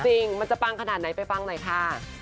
จริงมันจะปังขนาดไหนไปฟังหน่อยค่ะ